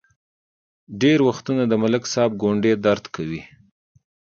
ډېر وختونه د ملک صاحب ګونډې درد کوي.